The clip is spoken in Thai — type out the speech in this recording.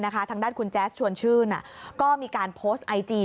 ทางด้านคุณแจ๊สชวนชื่นก็มีการโพสต์ไอจี